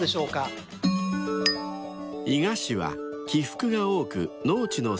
［伊賀市は起伏が多く農地の少ない場所］